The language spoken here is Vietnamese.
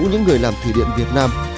những người làm thủy điện việt nam